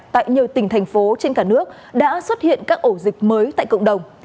tại nhiều tỉnh thành phố trên cả nước đã xuất hiện các ổ dịch mới tại cộng đồng